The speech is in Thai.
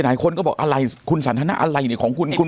หลายคนก็บอกอะไรคุณสันทนาอะไรเนี่ยของคุณคุณ